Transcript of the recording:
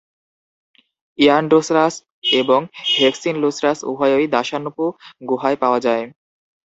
"ইয়ানডুসরাস" এবং "হেক্সিনলুসরাস" উভয়ই দাশানপু গুহায় পাওয়া যায়।